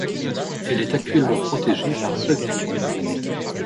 Elle est actuellement protégée par un pavillon.